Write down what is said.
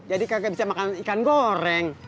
jadi kagak bisa makan ikan goreng